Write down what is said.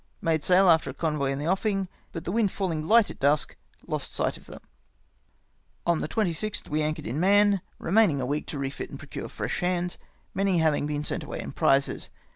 INIade sail after a convoy in the offing, but the wind falling light at dusk, lost sight of them. " On the 26th we anchored in Mahon, remaining a week to refit and procure fresh hands, many having been sent away in prizes.